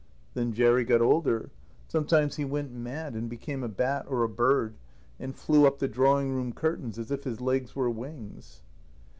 Then Jerry got older. Sometimes he went mad and became a bat or a bird, and flew up the drawing room curtains as if his legs were wings.